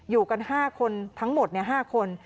อยู่กัน๕คนทั้งหมด๕คน